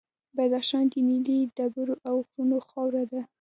بدخشان د نیلي ډبرو او غرونو خاوره ده.